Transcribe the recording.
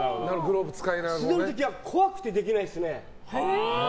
素手の時は怖くてできないですね。